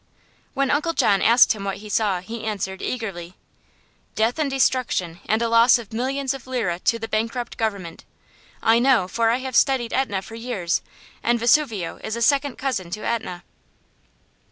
When Uncle John asked him what he saw he answered, eagerly: "Death and destruction, and a loss of millions of lira to the bankrupt government. I know; for I have studied Etna for years, and Vesuvio is a second cousin to Etna."